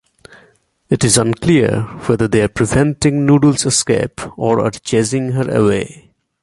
It is unclear whether they are preventing Noodle's escape or are chasing her away.